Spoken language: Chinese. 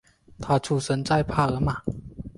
他出生在帕尔马。